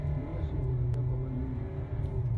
نوی شعر د قافیه پابند نه وي.